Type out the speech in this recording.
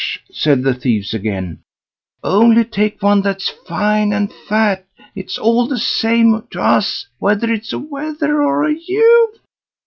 said the thieves again, "only take one that's fine and fat; it's all the same to us whether it's a wether or a ewe."